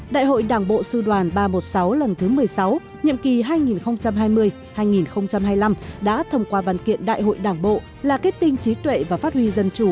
đại hội đảng bộ sư đoàn ba trăm một mươi sáu lần thứ một mươi sáu nhiệm kỳ hai nghìn hai mươi hai nghìn hai mươi năm đã thông qua văn kiện đại hội đảng bộ là kết tinh trí tuệ và phát huy dân chủ